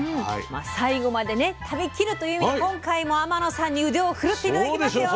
最後まで食べ切るという意味で今回も天野さんに腕を振るって頂きますよ。